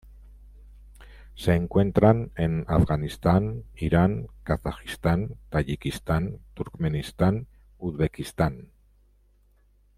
Se encuentran en Afganistán, Irán, Kazajistán, Tayikistán, Turkmenistán, Uzbekistán.